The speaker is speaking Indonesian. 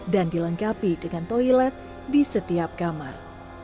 dan dilengkapi dengan toilet di setiap kamar